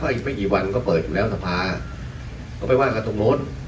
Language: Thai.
อีกไม่กี่วันก็เปิดอยู่แล้วสภาก็ไปว่ากันตรงนู้น